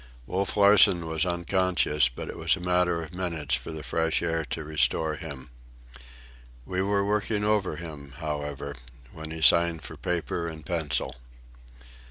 Wolf Larsen was unconscious, but it was a matter of minutes for the fresh air to restore him. We were working over him, however, when he signed for paper and pencil.